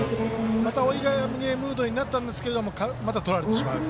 また追い上げムードになったんですけどまた取られてしまう。